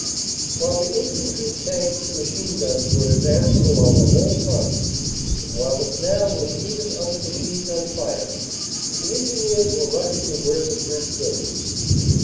"While the infantry, tanks and machine guns were advanc ing along the whole front and while the canal was even under machine gun fire, the Engineers were rushing the work of bridge building.